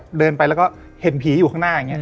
แต่จะเดินไปแล้วก็เห็นผีอยู่ข้างหน้า